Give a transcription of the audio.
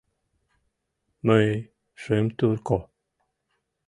Мый шым турко.